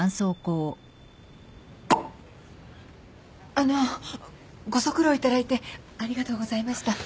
あのご足労いただいてありがとうございました。